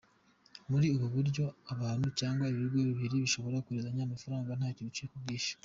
Muri ubu buryo abantu cyangwa ibigo bibiri bishobora kohererezanya amafaranga ntayo biciwe nk’ubwishyu.